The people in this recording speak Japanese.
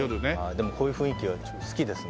でもこういう雰囲気はちょっと好きですね。